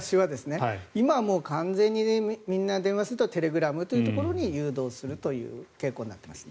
今は完全にみんな電話するとテレグラムに誘導するという傾向になってますね。